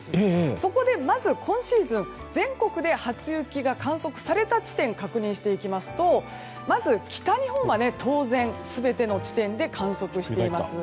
そこでまず今シーズン全国で初雪が観測された地点を確認していきますと北日本は当然全ての地点で観測しています。